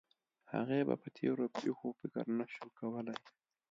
هغې به په تېرو پېښو فکر نه شو کولی